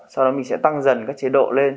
sau đó mình sẽ tăng dần các chế độ lên